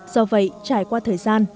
do vậy trải qua thời gian